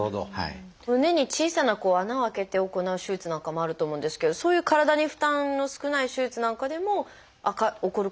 胸に小さな穴を開けて行う手術なんかもあると思うんですけどそういう体に負担の少ない手術なんかでも起こることもありますか？